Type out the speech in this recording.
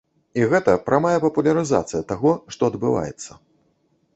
І гэта прамая папулярызацыя таго, што адбываецца.